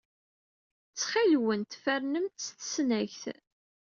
Ttxil-went, fernemt s tesnagt.